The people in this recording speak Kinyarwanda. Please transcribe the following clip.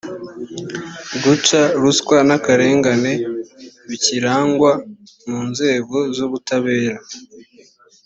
guca ruswa n akarengane bikirangwa mu nzego z ubutabera